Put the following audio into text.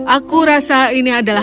aku rasa ini adalah